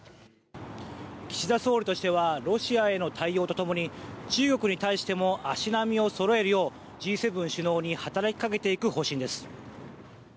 岸田総理としてはロシアとの対応とともに中国に対しても足並みをそろえるようＧ７首脳に働きかけていく方針です。